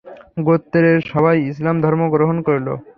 গোত্রের সবাই ইসলাম ধর্ম গ্রহণ করল।